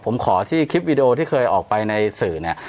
ผมขอที่คลิปวีดีโอที่เคยออกไปในสื่อเนี่ย